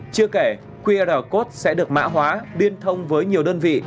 chưa kể qr code sẽ được mã hóa liên thông với nhiều đơn vị